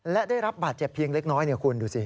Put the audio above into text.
และได้รับบาดเจ็บเพียงเล็กน้อยคุณดูสิ